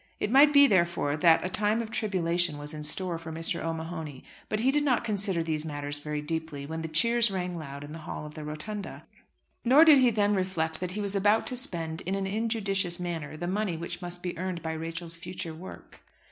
It might be, therefore, that a time of tribulation was in store for Mr. O'Mahony, but he did not consider these matters very deeply when the cheers rang loud in the hall of the Rotunda; nor did he then reflect that he was about to spend in an injudicious manner the money which must be earned by Rachel's future work.